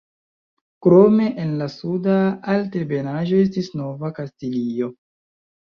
Krome, en la Suda Altebenaĵo estis Nova Kastilio.